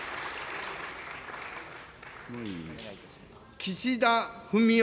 岸田文雄